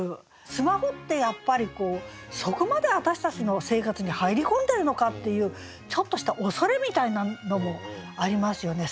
スマホってやっぱりそこまで私たちの生活に入り込んでるのかっていうちょっとした恐れみたいなのもありますよね。